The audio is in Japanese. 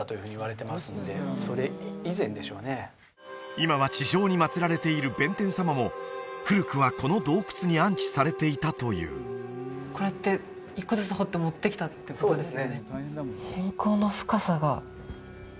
今は地上に祭られている弁天様も古くはこの洞窟に安置されていたというこれって１個ずつ彫って持ってきたってことですよね